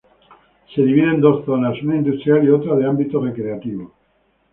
Se divide en dos zonas, una industrial y otra de ámbito recreativo.